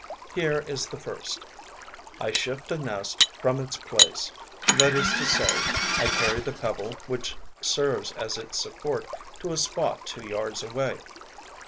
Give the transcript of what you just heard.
Here is the first: I shift a nest from its place, that is to say, I carry the pebble which serves as its support to a spot two yards away.